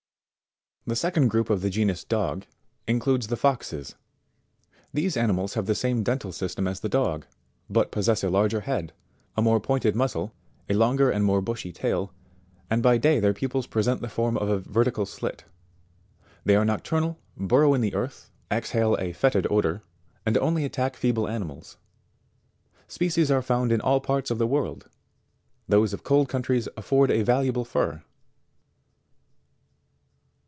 69. The second group of the genus Dog includes the FOXES. These animals have the same dental system as the dog ; but possess a larger head, a more pointed muzzle, a longer and more bushy tail, and by day their pupils present the form of a vertical slit. They are nocturnal, burrow in the earth, exhale a foetid odour, and only attack feeble animals. Species are found in all parts of the world. Those of cold countries afford a valuable fur.